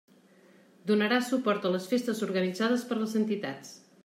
Donarà suport a les festes organitzades per les entitats.